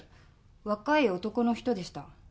若い男の人でした。